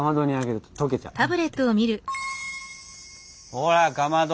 ほらかまど！